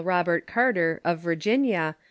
Robert Carter, of Virginia, „